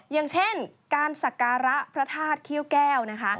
อย่างเช่นการสักการะพระธาตุเขี้ยวแก้วนะคะ